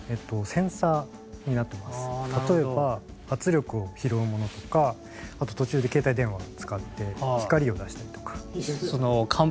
例えば圧力を拾うものとかあと途中で携帯電話を使って光を出したりとか。